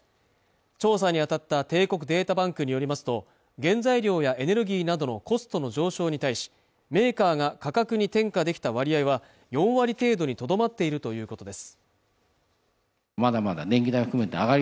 調査に当たった帝国データバンクによりますと原材料やエネルギーなどのコストの上昇に対しメーカーが価格に転嫁できた割合は４割程度にとどまっているということです